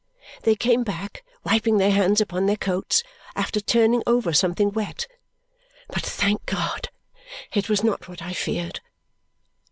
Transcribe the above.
They came back, wiping their hands upon their coats, after turning over something wet; but thank God it was not what I feared!